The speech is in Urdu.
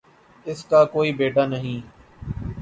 اس کا کوئی بیٹا نہیں